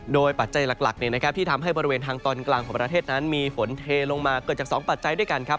โดยปัจจัยหลักที่ทำให้บริเวณทางตอนกลางของประเทศนั้นมีฝนเทลงมาเกิดจาก๒ปัจจัยด้วยกันครับ